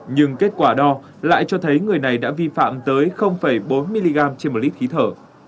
nhưng kết quả đo lại cho thấy người này đã vi phạm tới bốn mg trên một lít khí thở